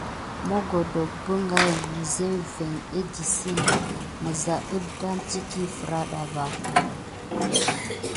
Mogodonk pəka nisa kivin à tisik misa dedane tiki feranda.